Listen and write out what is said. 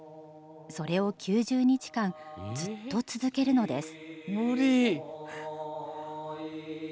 それを９０日間ずっと続けるのです。